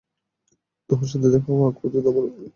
তোমার সাথে দেখা হওয়ার আগ পর্যন্ত আমার লাইফ দারুণ ছিল।